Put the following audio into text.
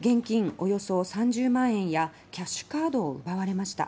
およそ３０万円やキャッシュカードを奪われました。